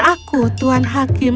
tapi aku harus mengembalikan ini padamu